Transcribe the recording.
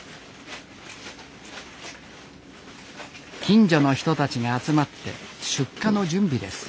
近所の人たちが集まって出荷の準備です。